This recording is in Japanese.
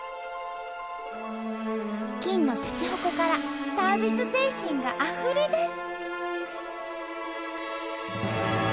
金のしゃちほこからサービス精神があふれ出す！